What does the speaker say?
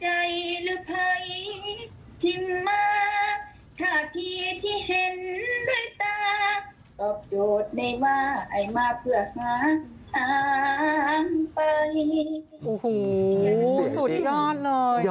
ไอ้ม่าเผื่อข้างไป